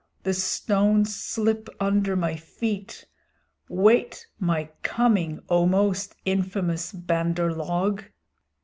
The stones slip under my feet! Wait my coming, O most infamous Bandar log!"